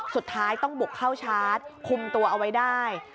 สุดท้ายต้องบุกเข้าชาร์จคุมตัวเอาไว้ได้